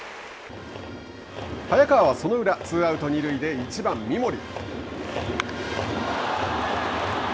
早川はその裏ツーアウト、二塁で１番、三森。